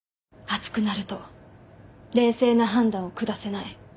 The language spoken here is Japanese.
熱くなると冷静な判断を下せない。